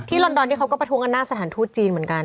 ลอนดอนนี่เขาก็ประท้วงกันหน้าสถานทูตจีนเหมือนกัน